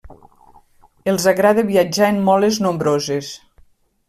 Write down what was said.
Els agrada viatjar en moles nombroses.